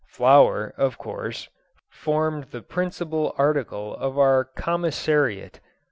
Flour, of course, formed the principal article of our commissariat.